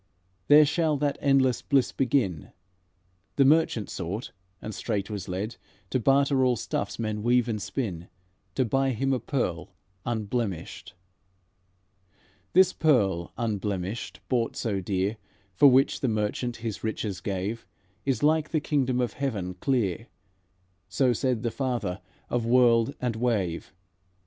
There shall that endless bliss begin, The merchant sought, and straight was led To barter all stuffs men weave and spin, To buy him a pearl unblemished." "'This pearl unblemished, bought so dear, For which the merchant his riches gave, Is like the kingdom of heaven clear;' So said the Father of world and wave.